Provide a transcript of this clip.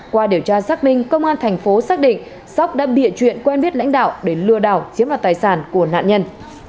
qua điều tra xác minh công an tp xác định sóc đã bịa chuyện quen biết lãnh đạo để lừa đảo chiếm hoạt tài sản của nạn nhân